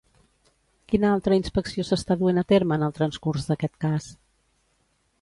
Quina altra inspecció s'està duent a terme en el transcurs d'aquest cas?